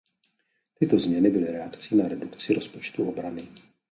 Tyto změny byly reakcí na redukci rozpočtu obrany.